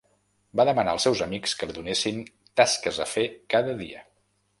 Va demanar als seus amics que li donessin tasques a fer cada dia.